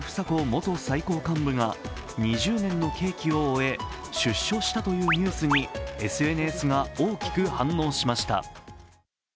元最高幹部が２０年の刑期を終え、出所したというニュースにＳＮＳが大きく反応しました。